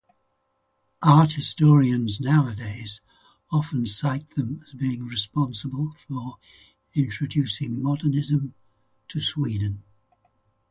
Art historians nowadays often cite them as being responsible for introducing modernism to Sweden.